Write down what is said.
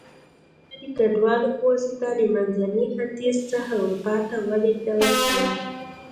دا د کډوالو په واسطه له منځني ختیځ څخه اروپا ته ولېږدول شوه